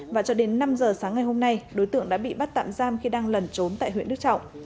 và cho đến năm giờ sáng ngày hôm nay đối tượng đã bị bắt tạm giam khi đang lẩn trốn tại huyện đức trọng